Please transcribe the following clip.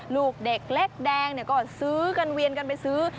ลูกเด็กเล็กแดงก็ซื้อกันเวียนกันไปซื้อ